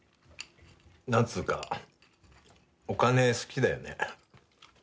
なんつうかお金好きだよね。